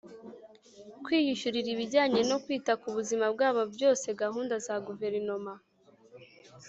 kwiyishyurira ibijyanye no kwita ku buzima bwabo byose Gahunda za guverinoma